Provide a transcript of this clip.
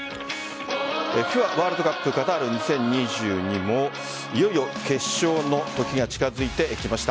ＦＩＦＡワールドカップカタール２０２２もいよいよ決勝の時が近づいてきました。